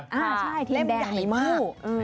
ใช่เทียนแดงใหม่ผู้